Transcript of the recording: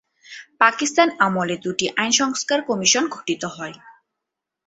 পাকিস্তান আমলে দুটি আইন সংস্কার কমিশন গঠিত হয়।